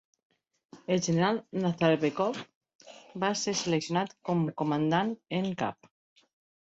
El general Nazarbekov va ser seleccionat com comandant en cap.